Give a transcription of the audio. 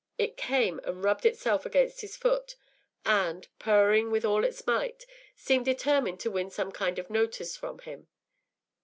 It came and rubbed itself against his foot, and, purring with all its might, seemed determined to win some kind of notice from him.